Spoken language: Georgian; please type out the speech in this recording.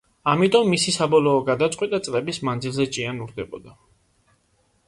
ამიტომ მისი საბოლოო გადაწყვეტა წლების მანძილზე ჭიანურდებოდა.